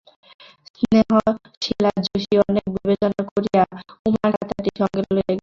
স্নেহশীলা যশি অনেক বিবেচনা করিয়া উমার খাতাটি সঙ্গে লইয়া গিয়াছিল।